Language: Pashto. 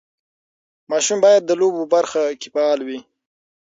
ماشوم باید د لوبو برخه کې فعال وي.